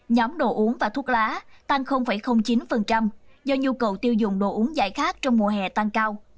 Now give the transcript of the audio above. nhóm đồ uống và thuốc lá tăng chín do nhu cầu tiêu dùng đồ uống dài khác trong mùa hè tăng cao